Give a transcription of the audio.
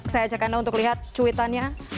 saya ajak anda untuk lihat cuitannya